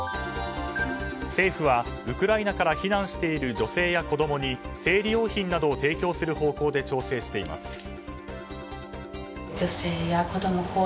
政府は、ウクライナから避難している女性や子供に生理用品などを提供する方向で調整しています。